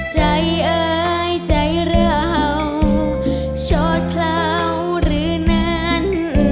ใจเอ๋ยใจเหล่าโชฏเพลาหรือนั้น